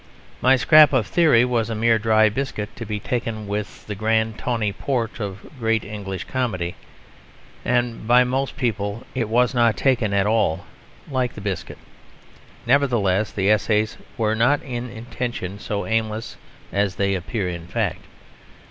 My scrap of theory was a mere dry biscuit to be taken with the grand tawny port of great English comedy; and by most people it was not taken at all like the biscuit. Nevertheless the essays were not in intention so aimless as they appear in fact.